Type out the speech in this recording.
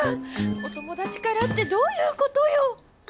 お友達からってどういうことよ！